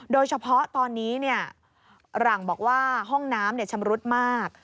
โดยเฉพาะตอนนี้หลังบอกว่าห้องน้ำชำรุดมาก